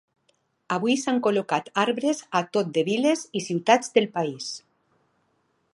Avui s’han col·locat arbres a tot de viles i ciutats del país.